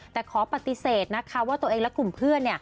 แต่ขอปฏิเสธนะคะว่าตัวเองและกลุ่มเพื่อน